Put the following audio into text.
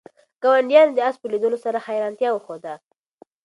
ګاونډیانو د آس په لیدلو سره حیرانتیا وښوده.